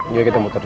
iya kita putar